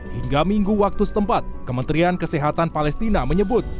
hingga minggu waktu setempat kementerian kesehatan palestina menyebut